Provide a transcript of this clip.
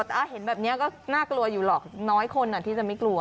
แต่เห็นแบบนี้ก็น่ากลัวอยู่หรอกน้อยคนที่จะไม่กลัว